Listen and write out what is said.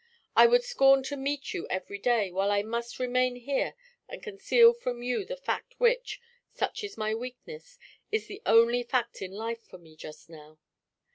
I would scorn to meet you every day while I must remain here and conceal from you the fact which, such is my weakness, is the only fact in life for me just now.